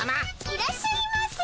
いらっしゃいませ。